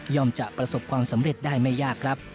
จะประสบความสำเร็จได้ไม่ยากครับ